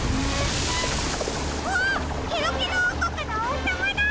あっケロケロおうこくのおうさまだ！